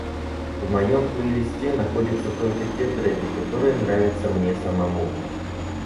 В моём плейлисте находятся только те треки, которые нравятся мне самому.